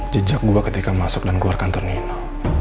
jejak gue ketika masuk dan keluar kantor nino